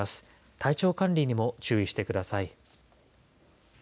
体調管理にも注意してください。